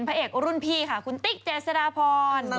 พระเอกรุ่นพี่ค่ะคุณติ๊กเจษฎาพร